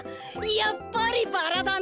やっぱりバラだな！